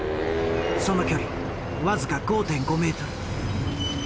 その距離僅か５．５ｍ。